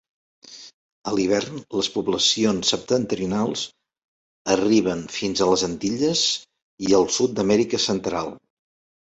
L'hivern les poblacions septentrionals arriben fins a les Antilles i el sud d'Amèrica Central.